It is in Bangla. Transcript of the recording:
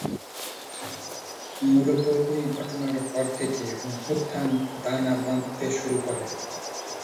মূলত এই ঘটনার পর থেকে অভ্যুত্থান দানা বাঁধতে শুরু করে।